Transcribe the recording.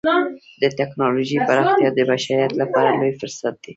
د ټکنالوجۍ پراختیا د بشریت لپاره لوی فرصت دی.